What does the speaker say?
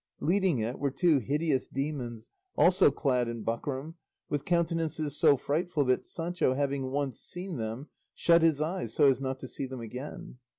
Leading it were two hideous demons, also clad in buckram, with countenances so frightful that Sancho, having once seen them, shut his eyes so as not to see them again.